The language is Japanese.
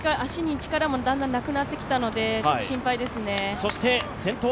足に力もだんだんなくなってきたので、ちょっと心配ですね。